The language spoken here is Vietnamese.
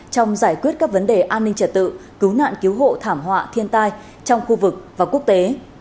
trong giải quyết các vấn đề an ninh trật tự cứu nạn cứu hộ thảm họa thiên tai trong khu vực và quốc tế